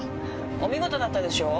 お見事だったでしょう？